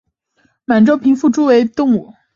满洲平腹蛛为平腹蛛科平腹蛛属的动物。